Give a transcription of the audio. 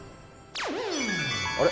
あれ？